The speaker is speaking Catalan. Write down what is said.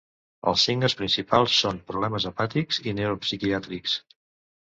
Els signes principals són problemes hepàtics i neuropsiquiàtrics.